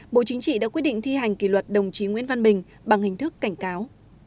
bộ chính trị đã quyết định thi hành kỷ luật đồng chí nguyễn văn bình bằng hình thức cảnh cáo